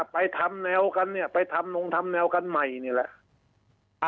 ไปทำแนวกันเนี่ยไปทำนงทำแนวกันใหม่นี่แหละ